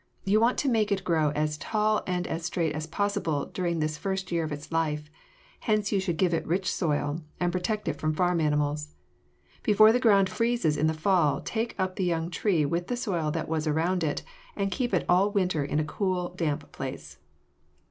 You want to make it grow as tall and as straight as possible during this first year of its life, hence you should give it rich soil and protect it from animals. Before the ground freezes in the fall take up the young tree with the soil that was around it and keep it all winter in a cool, damp place.